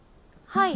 はい。